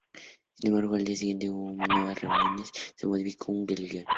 Sin embargo, al día siguiente hubo nuevas reuniones y se modificó el guion.